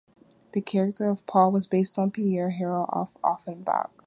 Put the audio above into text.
The character of Paul was based on Pierre Harel of Offenbach.